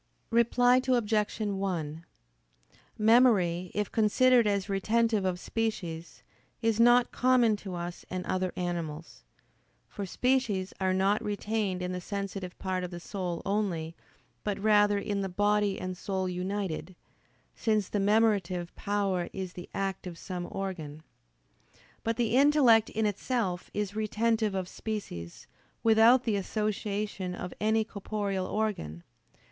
Reply Obj. 1: Memory, if considered as retentive of species, is not common to us and other animals. For species are not retained in the sensitive part of the soul only, but rather in the body and soul united: since the memorative power is the act of some organ. But the intellect in itself is retentive of species, without the association of any corporeal organ.